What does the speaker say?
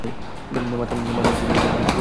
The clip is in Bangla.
মাথা নিচু করুন!